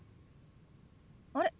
あれ？